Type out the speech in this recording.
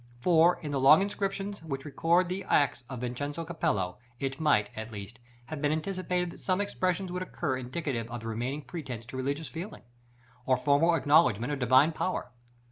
For, in the long inscriptions which record the acts of Vincenzo Cappello, it might, at least, have been anticipated that some expressions would occur indicative of remaining pretence to religious feeling, or formal acknowledgement of Divine power.